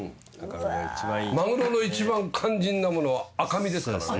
マグロの一番肝心なものは赤身ですからね。